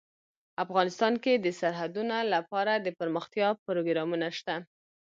افغانستان کې د سرحدونه لپاره دپرمختیا پروګرامونه شته.